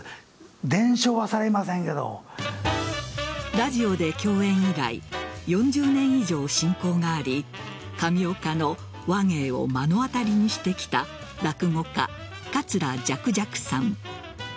ラジオで共演以来４０年以上、親交があり上岡の話芸を目の当たりにしてきた落語家・桂雀々さん。